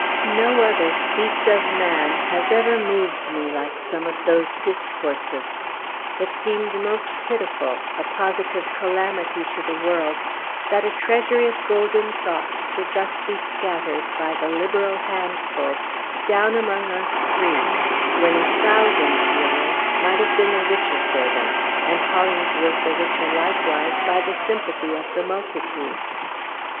No other speech of man has ever moved me like some of those discourses. It seemed most pitiful a positive calamity to the world that a treasury of golden thoughts should thus be scattered, by the liberal handful, down among us three, when a thousand hearers might have been the richer for them; and Hollingsworth the richer, likewise, by the sympathy of multitudes.